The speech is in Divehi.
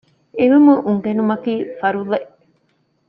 ޢިލްމު އުނގެނުމަކީ ފަރުޟެއް